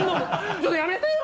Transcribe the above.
ちょっとやめてよ！